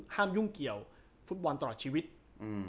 ยุ่งเกี่ยวฟุตบอลตลอดชีวิตอืม